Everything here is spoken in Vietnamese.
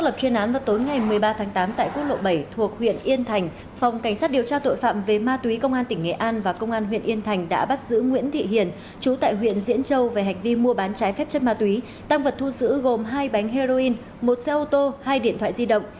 phòng cảnh sát điều tra tội phạm về ma túy công an tỉnh nghệ an và công an huyện yên thành đã bắt giữ nguyễn thị hiền chú tại huyện diễn châu về hạch vi mua bán trái phép chất ma túy tăng vật thu giữ gồm hai bánh heroin một xe ô tô hai điện thoại di động